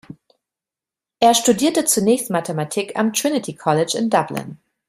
Er studierte zunächst Mathematik am Trinity College in Dublin.